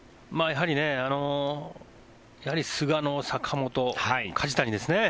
やはり菅野、坂本、梶谷ですね。